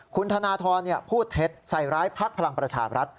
คุณธนทรพูดเท็จใส่ร้ายพักพลังประชาบรัฐ